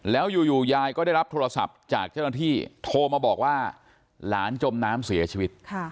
แล้วอยู่ยายก็ได้รับโทรศัพท์จากเจ้าหน้าที่โทรมาบอกว่าหลานจมน้ำเสียชีวิต